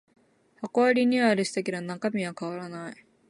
箱はリニューアルしたけど中身は変わらない